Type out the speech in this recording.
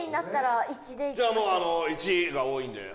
じゃあもう１が多いので。